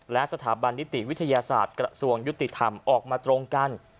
และสถาบันนิติวิทยาศาสตร์กระทรวงยุติธรรมออกมาตรงกัน